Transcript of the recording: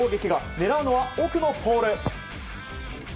狙うのは奥のポール。